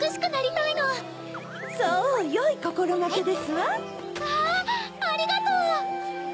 わぁありがとう！